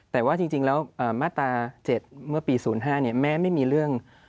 แต่ว่าจริงแล้วมาตรา๗เมื่อปี๐๕แม้ไม่มีเรื่อง